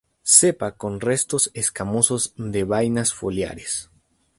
Cepa con restos escamosos de vainas foliares.